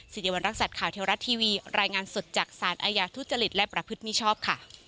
สิริวัณรักษัตริย์ข่าวเทวรัฐทีวีรายงานสดจากสารอาญาทุจริตและประพฤติมิชอบค่ะ